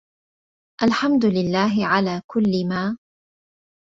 الحمد الله على كل ما